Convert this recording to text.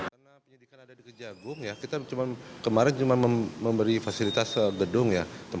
karena penyelidikan ada di kejagung kita kemarin cuma memberi fasilitas gedung